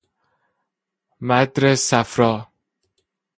مدر صفرا